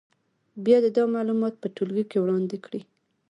بیا دې دا معلومات په ټولګي کې وړاندې کړي.